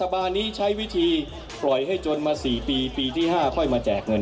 บานนี้ใช้วิธีปล่อยให้จนมา๔ปีปีที่๕ค่อยมาแจกเงิน